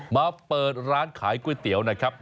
มาเปิดร้านขายก๋วยเตี๋ยวนะครับ